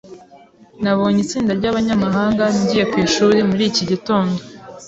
Nabonye itsinda ryabanyamahanga ngiye ku ishuri muri iki gitondo.